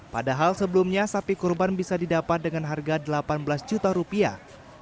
padahal sebelumnya sapi kurban bisa didapat dengan harga delapan belas juta rupiah